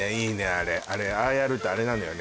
あれあれああやるとあれなのよね